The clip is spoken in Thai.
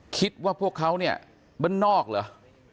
คิดว่าพวกเขาเนี่ยบ้านนอกเหรอ